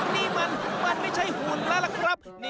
นี่มันไม่ใช่หุ่นแล้วล่ะครับ